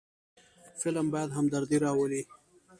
فلم باید همدردي راولي